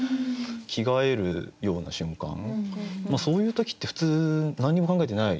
着替えるような瞬間そういう時って普通何にも考えてない。